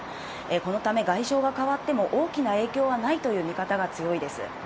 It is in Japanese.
このため、外相が変わっても、大きな影響はないとの見方が強いです。